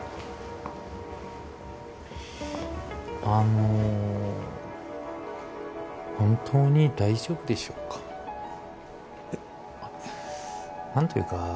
あの本当に大丈夫でしょうか？